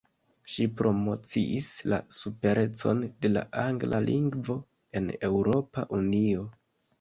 Ŝi promociis la superecon de la angla lingvo en Eŭropa Unio.